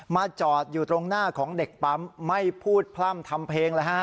จอดอยู่ตรงหน้าของเด็กปั๊มไม่พูดพร่ำทำเพลงแล้วฮะ